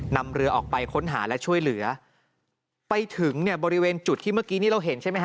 นำเรือออกไปค้นหาและช่วยเหลือไปถึงเนี่ยบริเวณจุดที่เมื่อกี้นี่เราเห็นใช่ไหมฮ